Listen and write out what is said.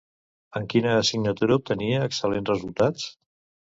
En quina assignatura obtenia excel·lents resultats?